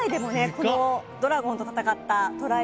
このドラゴンと戦ったトライ